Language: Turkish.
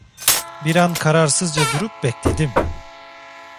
Bir an kararsızca durup bekledim.